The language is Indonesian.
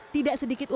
tidak sedikit warga